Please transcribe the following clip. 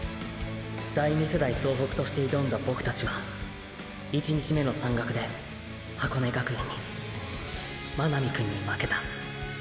第二世代総北として挑んだボクたちは１日目の山岳で箱根学園に真波くんに負けた。